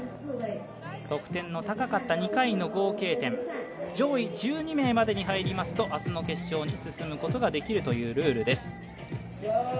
得点の高かった２回の合計点上位１２名までに入りますと明日の決勝に進むことができるというルールです。